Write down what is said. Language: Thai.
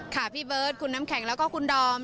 พี่เบิร์ตคุณน้ำแข็งแล้วก็คุณดอม